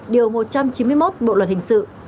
điều một trăm chín mươi một bộ luật hình sự